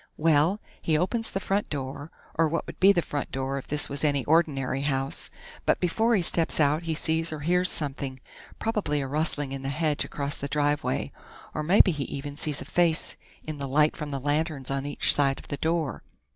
Well, he opens the front door, or what would be the front door if this was any ordinary house, but before he steps out he sees or hears something probably a rustling in the hedge across the driveway, or maybe he even sees a face, in the light from the lanterns on each side of the door.